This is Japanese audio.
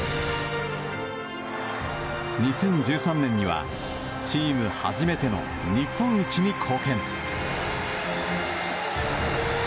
２０１３年にはチーム初めての日本一に貢献。